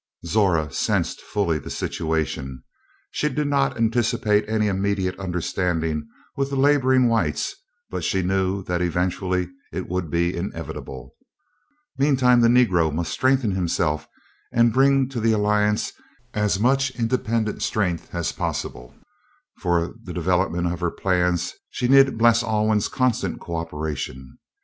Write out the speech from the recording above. Zora sensed fully the situation. She did not anticipate any immediate understanding with the laboring whites, but she knew that eventually it would be inevitable. Meantime the Negro must strengthen himself and bring to the alliance as much independent economic strength as possible. For the development of her plans she needed Bles Alwyn's constant cooperation.